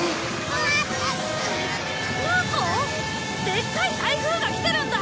でっかい台風が来てるんだ！